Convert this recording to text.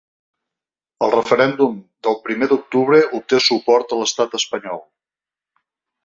El referèndum del primer d’octubre obté suport a l’estat espanyol.